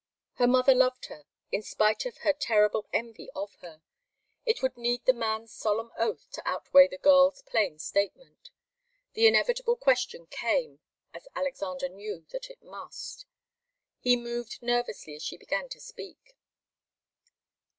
Her mother loved her in spite of her terrible envy of her. It would need the man's solemn oath to outweigh the girl's plain statement. The inevitable question came, as Alexander knew that it must. He moved nervously as she began to speak.